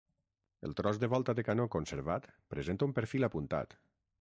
El tros de volta de canó conservat presenta un perfil apuntat.